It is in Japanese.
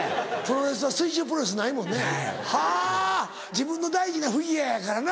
自分の大事なフィギュアやからな。